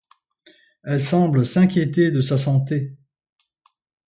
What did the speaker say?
Elle semble s’inquiéter de sa santé.